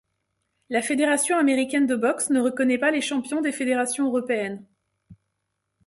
La fédération américaine de boxe ne reconnaît pas les champions des fédérations européennes.